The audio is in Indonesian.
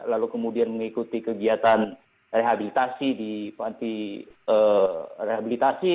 lalu kemudian mengikuti kegiatan rehabilitasi di panti rehabilitasi